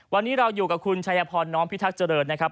วันนี้เราอยู่กับคุณชายพรน้อมพิทักษ์เจริญนะครับ